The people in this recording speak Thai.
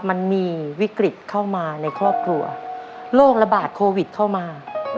มันมีวิกฤตเข้ามาในครอบครัวโรคระบาดโควิดเข้ามา